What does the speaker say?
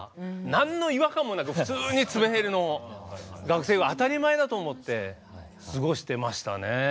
なんの違和感もなく普通に詰め襟の学生服当たり前だと思って過ごしてましたね。